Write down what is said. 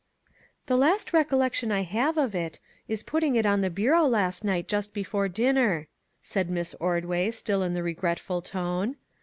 " The last recollection I have of it is putting it on the bureau last night just before dinner," said Miss Ordway, still in the regretful tone.